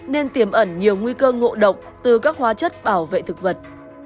nên tiềm ẩn nhiều nguy cơ ngộ độc từ các hóa chất bảo vệ thực vật